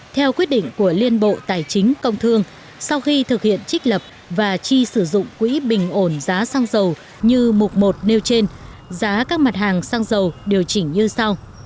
theo quyết định của liên bộ tài chính công thương sau khi thực hiện trích lập và chi sử dụng quỹ bình ổn giá xăng dầu như mục một nêu trên giá các mặt hàng xăng dầu điều chỉnh như sau